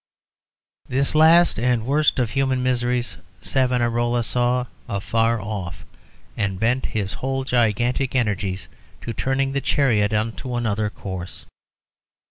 This last and worst of human miseries Savonarola saw afar off, and bent his whole gigantic energies to turning the chariot into another course.